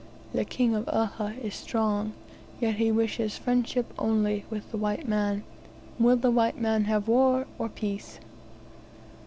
The King of Uhha is strong; yet he wishes friendship only with the white man. Will the white man have war or peace?"